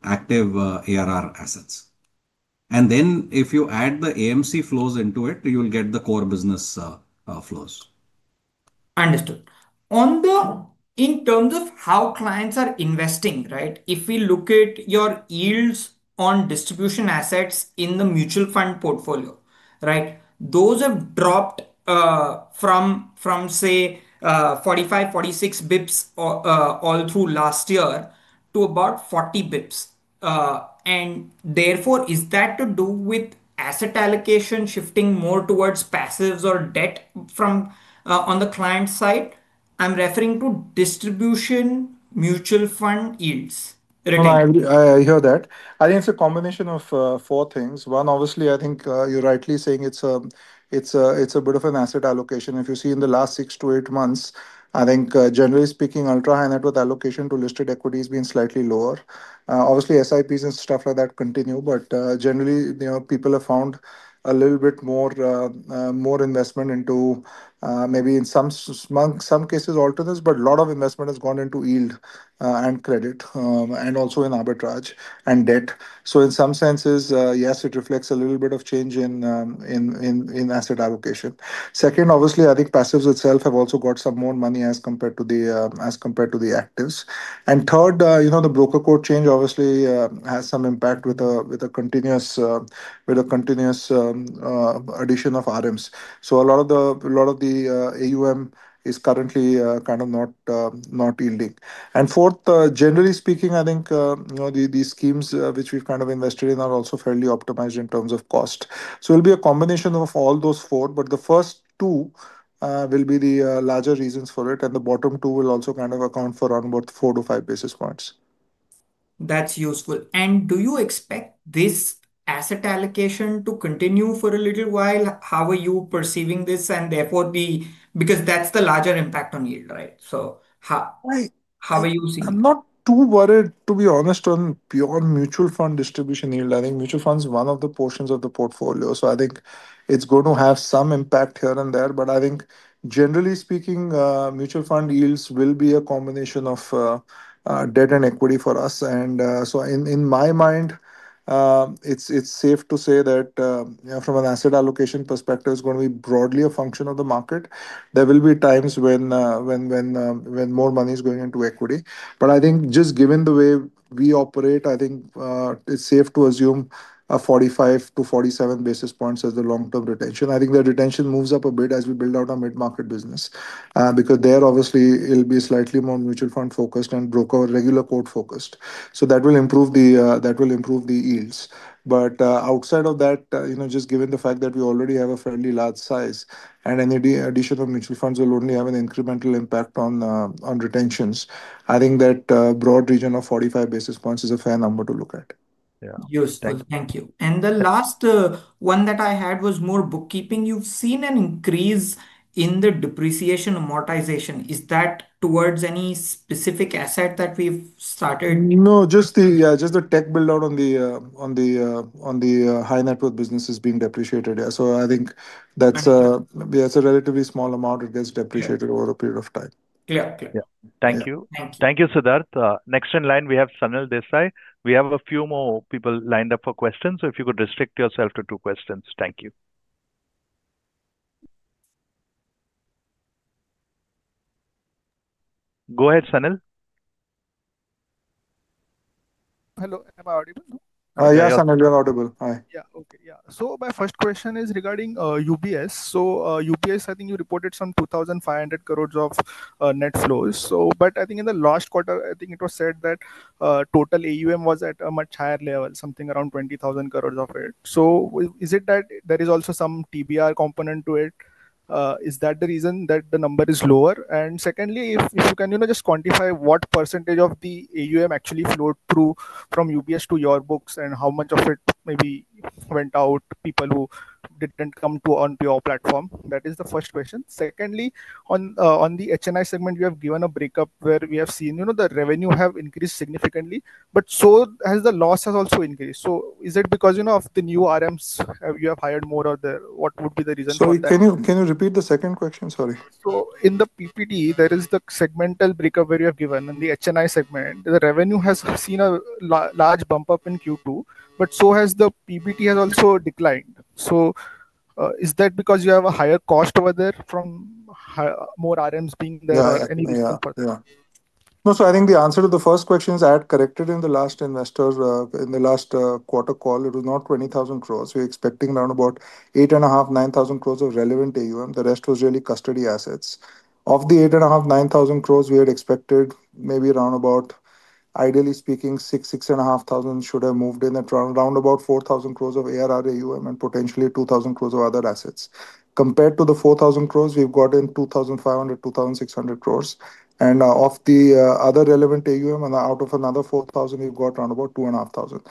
active ARR assets. If you add the AMC flows into it, you'll get the core business flows. Understood. In terms of how clients are investing, if we look at your yields on distribution assets in the mutual fund portfolio, those have dropped from, say, 45 bps, 46 bps all through last year to about 40 bps. Therefore, is that to do with asset allocation shifting more towards passives or debt from on the client side? I'm referring to distribution mutual fund yields. No, I hear that. I think it's a combination of four things. One, obviously, I think you're rightly saying it's a bit of an asset allocation. If you see in the last six to eight months, I think generally speaking, ultra-high-net-worth allocation to listed equities being slightly lower. Obviously, SIPs and stuff like that continue, but generally, you know, people have found a little bit more investment into maybe in some cases alternatives, but a lot of investment has gone into yield and credit and also in arbitrage and debt. In some senses, yes, it reflects a little bit of change in asset allocation. Second, obviously, I think passives itself have also got some more money as compared to the actives. Third, you know, the broker quote change obviously has some impact with a continuous addition of RMs. A lot of the AUM is currently kind of not yielding. Fourth, generally speaking, I think, you know, these schemes which we've kind of invested in are also fairly optimized in terms of cost. It'll be a combination of all those four, but the first two will be the larger reasons for it, and the bottom two will also kind of account for around about four to five basis points. That's useful. Do you expect this asset allocation to continue for a little while? How are you perceiving this? Therefore, because that's the larger impact on yield, right? How are you seeing it? I'm not too worried, to be honest, on beyond mutual fund distribution yield. I think mutual funds are one of the portions of the portfolio. I think it's going to have some impact here and there. I think generally speaking, mutual fund yields will be a combination of debt and equity for us. In my mind, it's safe to say that from an asset allocation perspective, it's going to be broadly a function of the market. There will be times when more money is going into equity. I think just given the way we operate, I think it's safe to assume a 45 basis points- 47 basis points as the long-term retention. I think the retention moves up a bit as we build out our mid-market business because there obviously it'll be slightly more mutual fund-focused and broker or regular quote-focused. That will improve the yields. Outside of that, just given the fact that we already have a fairly large size and any addition of mutual funds will only have an incremental impact on retentions, I think that a broad region of 45 basis points is a fair number to look at. Thank you. The last one that I had was more bookkeeping. You've seen an increase in the depreciation amortization. Is that towards any specific asset that we've started? No, just the tech build-out on the high-net-worth business is being depreciated. Yeah, I think that's a relatively small amount. It gets depreciated over a period of time. Yeah, thank you. Thank you, Siddharth. Next in line, we have Sunil Desai. We have a few more people lined up for questions, so if you could restrict yourself to two questions. Thank you. Go ahead, Sunil. Hello. Am I audible? Yeah, Sunil, you're audible. Hi. Yeah, okay. Yeah. My first question is regarding UBS. UBS, I think you reported some 2,500 crores of net flows. I think in the last quarter, it was said that total AUM was at a much higher level, something around 20,000 crores of it. Is it that there is also some TBR component to it? Is that the reason that the number is lower? Secondly, if you can just quantify what percentage of the AUM actually flowed through from UBS to your books and how much of it maybe went out, people who didn't come to your platform? That is the first question. Secondly, on the HNI segment, you have given a breakup where we have seen the revenue have increased significantly, but so has the loss has also increased. Is it because of the new RMs you have hired more or what would be the reason for that? Can you repeat the second question? Sorry. In the PPT, there is the segmental breakup where you have given in the HNI segment. The revenue has seen a large bump up in Q2, but the PPT has also declined. Is that because you have a higher cost over there from more RMs being there or any reason for that? Yeah. No, so I think the answer to the first question is I had corrected in the last investor, in the last quarter call. It was not 20,000 crores. We were expecting around about 8,500, 9,000 crores of relevant AUM. The rest was really custody assets. Of the 8,500, 9,000 crores, we had expected maybe around about, ideally speaking, 6,000, 6,500 should have moved in at around about 4,000 crores of ARR AUM and potentially 2,000 crores of other assets. Compared to the 4,000 crores, we've got in 2,500, 2,600 crores. And of the other relevant AUM, out of another 4,000, we've got around about 2,500.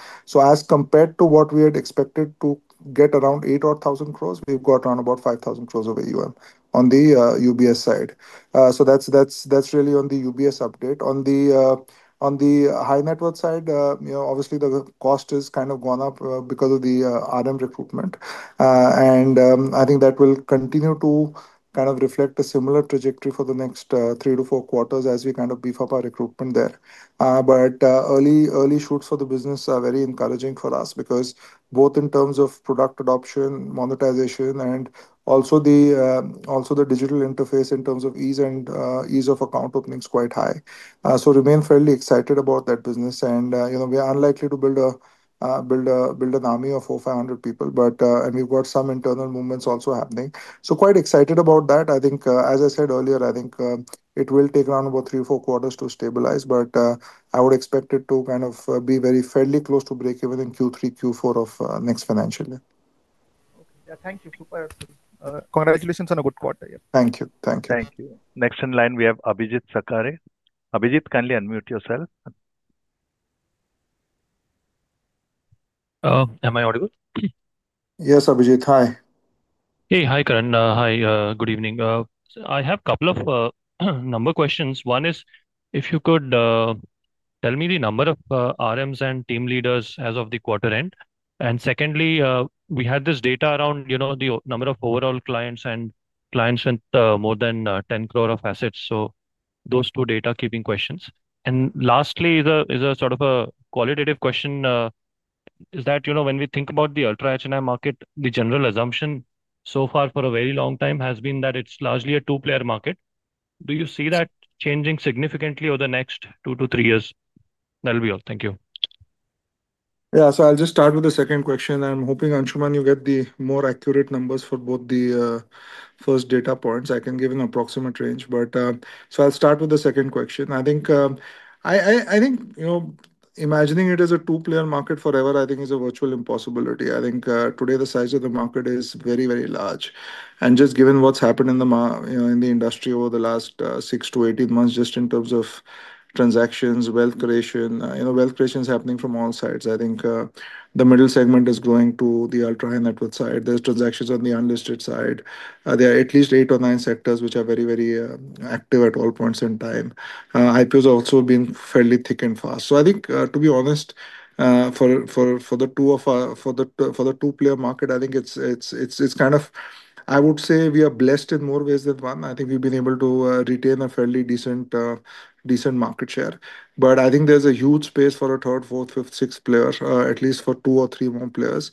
As compared to what we had expected to get around 8,000 or 1,000 crores, we've got around about 5,000 crores of AUM on the UBS side. That's really on the UBS update. On the high-net-worth side, you know, obviously, the cost has kind of gone up because of the RM recruitment. I think that will continue to kind of reflect a similar trajectory for the next three to four quarters as we kind of beef up our recruitment there. Early shoots for the business are very encouraging for us because both in terms of product adoption, monetization, and also the digital interface in terms of ease and ease of account opening is quite high. We remain fairly excited about that business. We're unlikely to build an army of 4,500 people, but we've got some internal movements also happening. Quite excited about that. I think, as I said earlier, I think it will take around about three or four quarters to stabilize. I would expect it to kind of be very fairly close to break even in Q3, Q4 of next financial year. Okay. Thank you. Super actually. Congratulations on a good quarter. Thank you. Thank you. Thank you. Next in line, we have Abhijeet Sakhare. Abhijit, kindly unmute yourself. Am I audible? Yes, Abhijit. Hi. Hey. Hi, Karan. Hi. Good evening. I have a couple of number questions. One is if you could tell me the number of RMs and team leaders as of the quarter end. Secondly, we had this data around the number of overall clients and clients with more than 10 crore of assets. Those two data keeping questions. Lastly, as a sort of a qualitative question, when we think about the ultra-HNI market, the general assumption so far for a very long time has been that it's largely a two-player market. Do you see that changing significantly over the next two to three years? That'll be all. Thank you. Yeah, I'll just start with the second question. I'm hoping, Anshuman, you get the more accurate numbers for both the first data points. I can give an approximate range. I'll start with the second question. I think, you know, imagining it as a two-player market forever is a virtual impossibility. I think today the size of the market is very, very large. Just given what's happened in the industry over the last 6 to 18 months, just in terms of transactions, wealth creation, you know, wealth creation is happening from all sides. I think the middle segment is growing to the ultra-high-net-worth side. There's transactions on the unlisted side. There are at least eight or nine sectors which are very, very active at all points in time. IPOs have also been fairly thick and fast. To be honest, for the two-player market, I think it's kind of, I would say, we are blessed in more ways than one. I think we've been able to retain a fairly decent market share. I think there's a huge space for a third, fourth, fifth, sixth players, at least for two or three more players.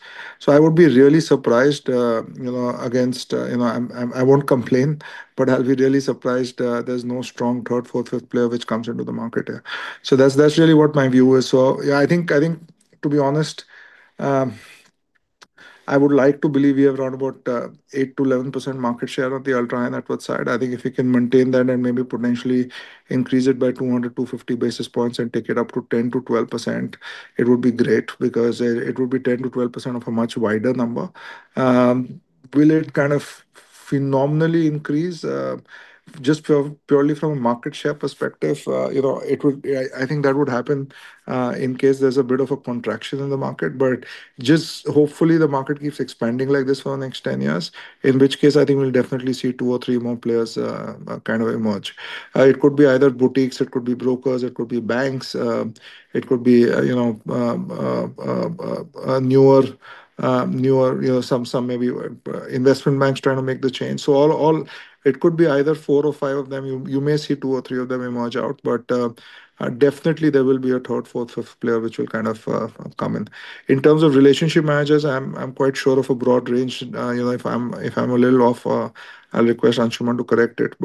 I would be really surprised, you know, I won't complain, but I'll be really surprised there's no strong third, fourth, fifth player which comes into the market here. That's really what my view is. I would like to believe we have around about 8%-11% market share on the ultra-high-net-worth side. I think if we can maintain that and maybe potentially increase it by 200, 250 basis points and take it up to 10%-12%, it would be great because it would be 10%-12% of a much wider number. Will it kind of phenomenally increase just purely from a market share perspective? I think that would happen in case there's a bit of a contraction in the market. Hopefully, the market keeps expanding like this for the next 10 years, in which case I think we'll definitely see two or three more players kind of emerge. It could be either boutiques, it could be brokers, it could be banks, it could be, you know, newer, you know, some maybe investment banks trying to make the change. It could be either four or five of them. You may see two or three of them emerge out, but definitely there will be a third, fourth, fifth player which will kind of come in. In terms of relationship managers, I'm quite sure of a broad range. If I'm a little off, I'll request Anshuman to correct it.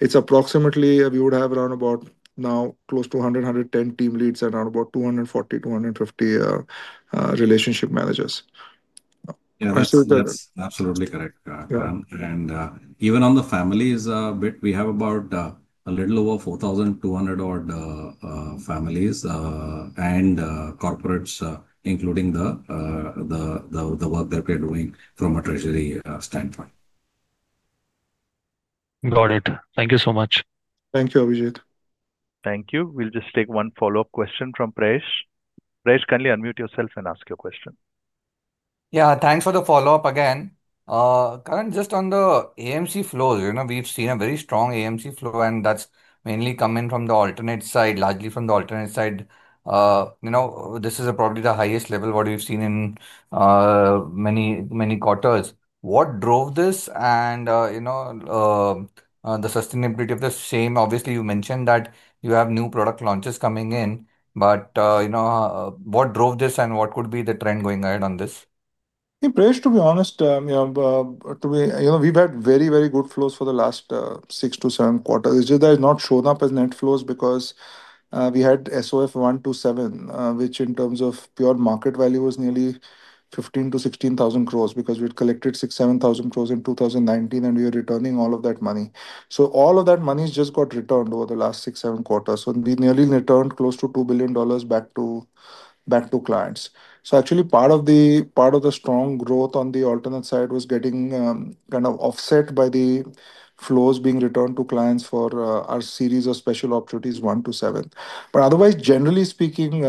It's approximately, we would have around about now close to 100, 110 team leads and around about 240, 250 relationship managers. Yeah, absolutely correct, Karan. Even on the families bit, we have about a little over 4,200-odd families and corporates, including the work that we're doing from a treasury standpoint. Got it. Thank you so much. Thank you, Abhijit. Thank you. We'll just take one follow-up question from Prayesh. Prayesh, kindly unmute yourself and ask your question. Yeah, thanks for the follow-up again. Karan, just on the AMC flows, we've seen a very strong AMC flow, and that's mainly coming from the alternate side, largely from the alternate side. This is probably the highest level of what we've seen in many, many quarters. What drove this and the sustainability of the same? Obviously, you mentioned that you have new product launches coming in, but what drove this and what could be the trend going ahead on this? Prayesh, to be honest, we've had very, very good flows for the last six to seven quarters. It's just that it's not shown up as net flows because we had SOF 127, which in terms of pure market value was nearly 15,000 to 16,000 crore because we had collected 6,000 to 7,000 crore in 2019, and we were returning all of that money. All of that money has just got returned over the last six, seven quarters. We nearly returned close to $2 billion back to clients. Actually, part of the strong growth on the alternate side was getting kind of offset by the flows being returned to clients for our series of special opportunities one to seven. Otherwise, generally speaking,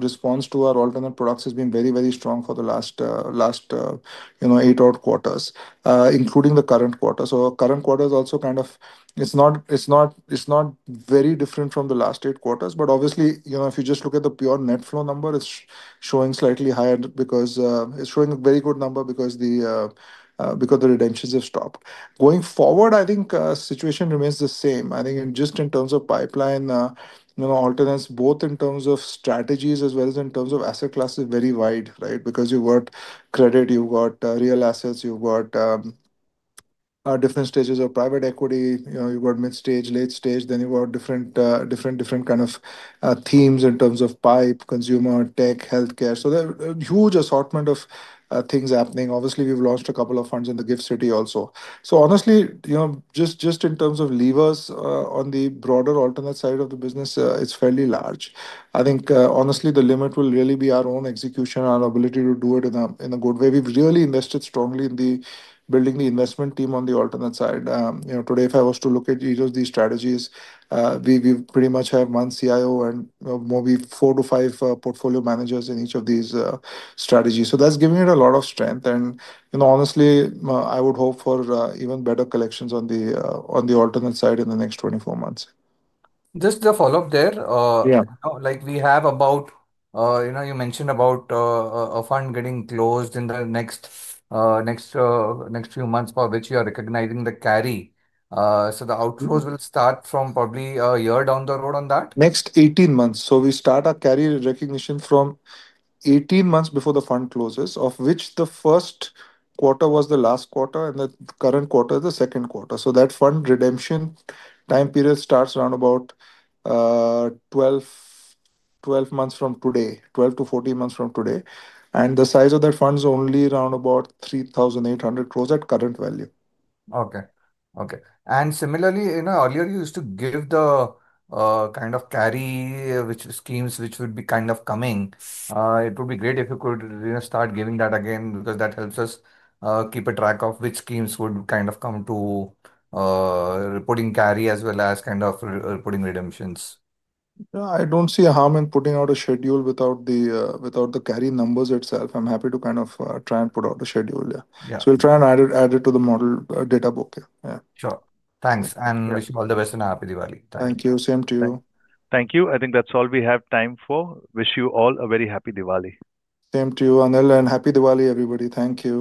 response to our alternate products has been very, very strong for the last eight-odd quarters, including the current quarter. Our current quarter is also kind of, it's not very different from the last eight quarters. Obviously, if you just look at the pure net flow number, it's showing slightly higher because it's showing a very good number because the redemptions have stopped. Going forward, I think the situation remains the same. I think just in terms of pipeline, alternates, both in terms of strategies as well as in terms of asset classes, is very wide, right? You've got credit, you've got real assets, you've got different stages of private equity, you've got mid-stage, late stage, then you've got different, different, different kind of themes in terms of pipe, consumer, tech, healthcare. There's a huge assortment of things happening. Obviously, we've launched a couple of funds in the GIFT City also. Honestly, just in terms of levers on the broader alternate side of the business, it's fairly large. Honestly, the limit will really be our own execution and our ability to do it in a good way. We've really invested strongly in building the investment team on the alternate side. Today, if I was to look at each of these strategies, we pretty much have one CIO and maybe four to five portfolio managers in each of these strategies. That's giving it a lot of strength. Honestly, I would hope for even better collections on the alternate side in the next 24 months. Just a follow-up there. Yeah. Like we have about, you know, you mentioned about a fund getting closed in the next few months for which you are recognizing the carry. The outflows will start from probably a year down the road on that. Next 18 months. We start our carry recognition from 18 months before the fund closes, of which the first quarter was the last quarter and the current quarter is the second quarter. That fund redemption time period starts around 12 to 14 months from today. The size of that fund is only around 3,800 crore at current value. Okay. Similarly, you know, earlier you used to give the kind of carry schemes which would be kind of coming. It would be great if you could start giving that again because that helps us keep a track of which schemes would kind of come to reporting carry as well as kind of reporting redemptions. I don't see a harm in putting out a schedule without the carry numbers itself. I'm happy to kind of try and put out a schedule. Yeah, we'll try and add it to the model data book. Sure, thanks. Wish you all the best and a happy Diwali. Thank you. Same to you. Thank you. I think that's all we have time for. Wish you all a very happy Diwali. Same to you, Anil. Happy Diwali, everybody. Thank you.